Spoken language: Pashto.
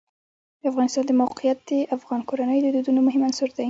د افغانستان د موقعیت د افغان کورنیو د دودونو مهم عنصر دی.